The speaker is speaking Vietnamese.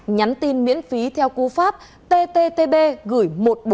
nhắn tin miễn phí theo cú pháp tttb gửi một nghìn bốn trăm một mươi bốn